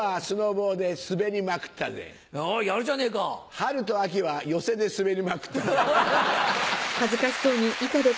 春と秋は寄席でスベりまくったぜ。